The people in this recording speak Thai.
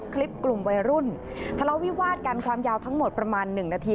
คลิปกลุ่มวัยรุ่นทะเลาวิวาดกันความยาวทั้งหมดประมาณ๑นาที